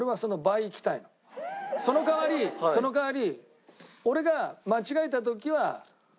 その代わりその代わり。